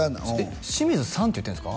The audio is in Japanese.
清水さんって言ってるんですか？